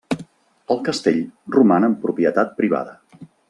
El castell roman en propietat privada.